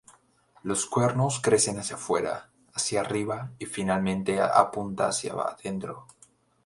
Los cuernos crecen hacia fuera, hacia arriba y finalmente apunta hacia adentro.